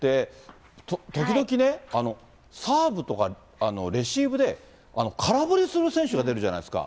時々ね、サーブとかレシーブで空振りする選手が出るじゃないですか。